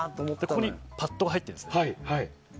肩にパットが入ってるんです。